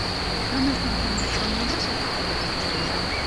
რომელთან თანამშრომლობაც ოცი წელი გაგრძელდა.